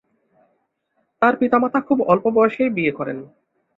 তার পিতা-মাতা খুব অল্প বয়সেই বিয়ে করেন।